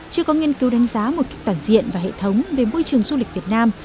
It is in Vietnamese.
chưa có nghiên cứu đánh giá một cách toàn diện và hệ thống về môi trường du lịch việt nam